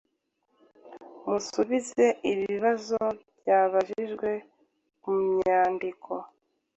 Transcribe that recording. Musubize ibi bibazo byabajijwe ku myandiko